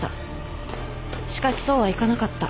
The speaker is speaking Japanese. しかしそうはいかなかった。